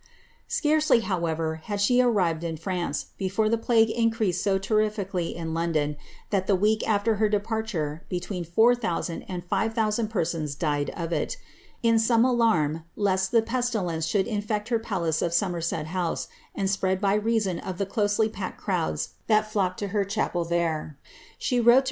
Scarcely, however, had she arrived in France, before the plague in creased so terrifically in London, tliat the week after her departure be tween 4000 and 5000 persons died of it. In some alarm lest the pesti lence should infect her palace of Somerset House, and spread by reason of the closely packed crowds that flocked to her chapel there, she * Madame de Motteville, p. 230.